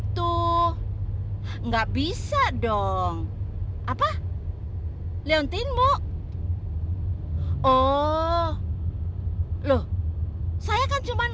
tapi gak mau